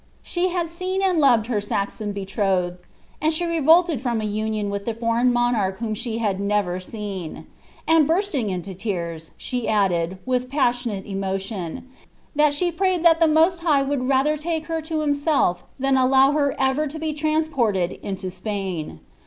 She had seen and loved her Saxon betrothed, and she revolted from a union with the foreign monarch whom she had never seen ;" and bursting into tears, she added, with passionate emotion, ^ that she prayed tliat the Most High would rather take her to himself than allow her ever to be transported into Spain."